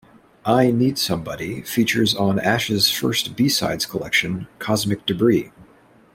"I Need Somebody" features on Ash's first B-sides collection, "Cosmic Debris".